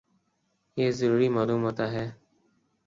یہ ضروری معلوم ہوتا ہے